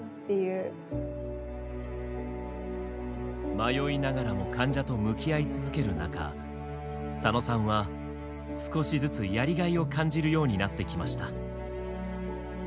迷いながらも患者と向き合い続ける中佐野さんは少しずつやりがいを感じるようになってきました。